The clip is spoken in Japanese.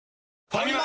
ファミマ！